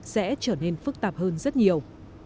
sẽ trở nên phức tạp hơn rất nhiều